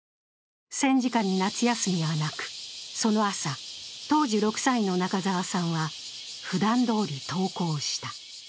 戦時下に夏休みはなく、その朝、当時６歳の中沢さんはふだんどおり登校した。